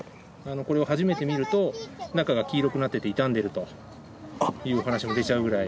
これを初めて見ると中が黄色くなってて傷んでるという話も出ちゃうくらい。